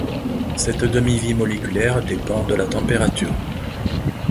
Cette demi-vie moléculaire dépend de la température.